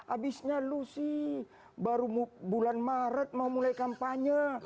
abisnya lu sih baru bulan maret mau mulai kampanye